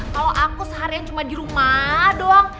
kalo aku seharian cuma di rumah doang